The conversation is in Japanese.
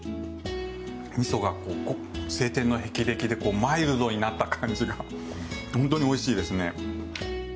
みそが青天の霹靂でマイルドになった感じが本当においしいですね。